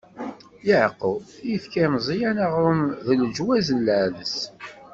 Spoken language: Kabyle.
Yeɛqub ifka i Meẓyan aɣrum d leǧwaz n leɛdes.